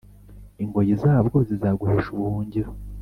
Ingoyi zabwo zizaguhesha ubuhungiro,